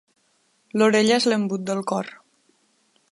L'orella és l'embut del cor.